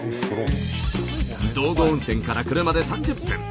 道後温泉から車で３０分。